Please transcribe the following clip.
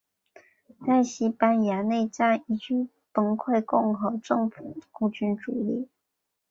在西班牙内战一举击溃共和政府空军主力。